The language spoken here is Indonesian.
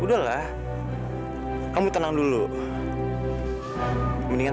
udah sekarang kita pulang aja